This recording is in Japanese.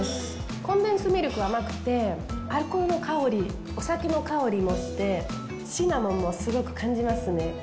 コンデンスミルクは甘くて、アルコールの香りお酒の香りもして、シナモンもすごく感じますね。